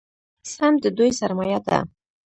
سمت د دوی سرمایه ده.